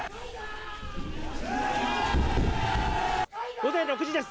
午前６時です。